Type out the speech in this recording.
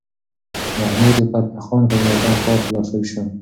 محمود د فتح خان په ملاتړ ښار ته داخل شو.